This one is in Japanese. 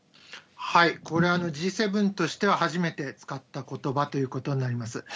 これはＧ７としては初めて使ったことばということになります。